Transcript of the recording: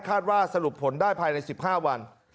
คาดว่าสรุปผลได้ภายใน๑๕วัน